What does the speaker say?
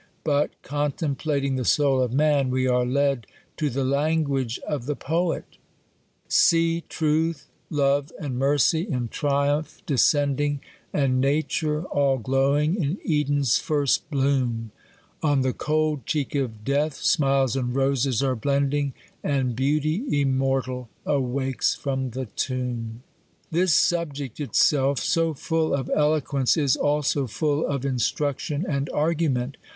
But contemplating the soul of' man, we are led to the lan guage of the poet, '• See truth, love, and mercy in triumph descending, And nature all glowing in Eden's first bloom, On the cold cheek of death smiles and roses are blending, And beauty immortal awakes from the tomb." This subject, itself so full of Eloquence, is also full of instruction and argument.